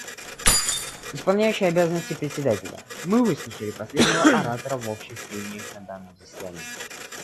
Исполняющий обязанности Председателя: Мы выслушали последнего оратора в общих прениях на данном заседании.